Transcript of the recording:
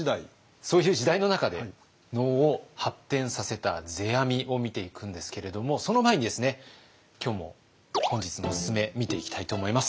そういう時代の中で能を発展させた世阿弥を見ていくんですけれどもその前にですね今日も本日のおすすめ見ていきたいと思います。